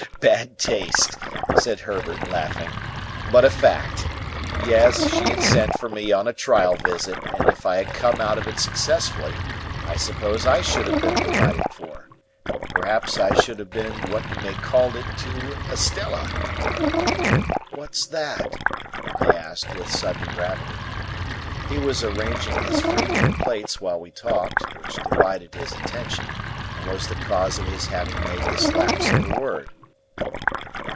"Bad taste," said Herbert, laughing, "but a fact. Yes, she had sent for me on a trial visit, and if I had come out of it successfully, I suppose I should have been provided for; perhaps I should have been what you may called it to Estella." "What's that?" I asked, with sudden gravity. He was arranging his fruit in plates while we talked, which divided his attention, and was the cause of his having made this lapse of a word.